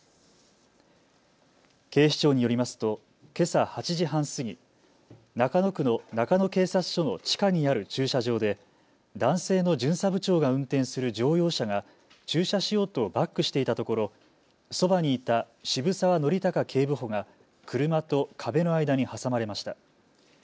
警視庁によりますとけさ８時半過ぎ、中野区の中野警察署の地下にある駐車場で男性の巡査部長が運転する乗用車が駐車しようとバックしていたところ、そばにいた渋澤憲孝警部補が車と壁の間に挟まれました。